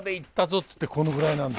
ってこのぐらいなんだ。